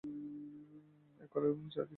এককালে চারিদিকে বোধহয় প্রাচীর ছিল।